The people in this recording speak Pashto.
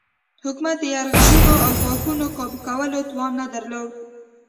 حکومت د یرغلونو او ګواښونو کابو کولو توان نه درلود.